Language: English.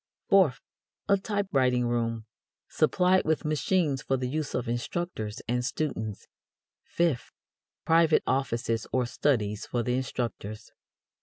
Fourth, a typewriting room, supplied with machines for the use of instructors and students. Fifth, private offices or studies for the instructors.